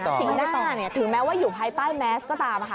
สิ่งด้านต้าถึงแม้ว่าอยู่ภายใต้แมสก็ตามค่ะ